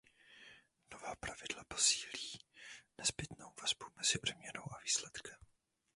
Nová pravidla posílí nezbytnou vazbu mezi odměnou a výsledkem.